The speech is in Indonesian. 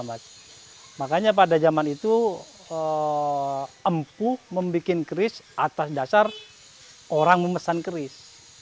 makanya pada zaman itu empuh membuat keris atas dasar orang memesan keris